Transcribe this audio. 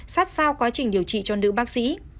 sát sao quá trình điều trị cho nữ bác sĩ